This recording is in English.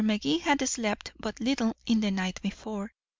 Magee had slept but little the night before.